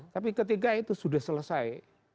tapi ketika itu sudah selesai